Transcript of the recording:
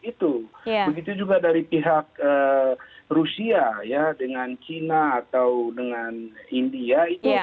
begitu juga dari pihak rusia dengan china atau dengan india